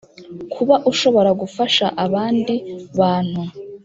kuba ushobora gufasha abandi bantu